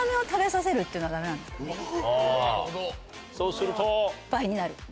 そうすると？